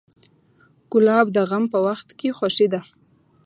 ګلاب د غم په وخت خوښي ده.